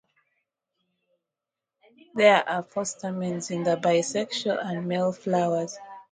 There are four stamens in the bisexual and male flowers.